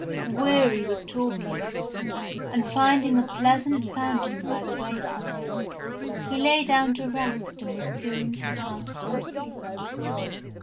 Weary with walking, and finding a pleasant fountain by the wayside, he lay down to rest and was soon fast asleep.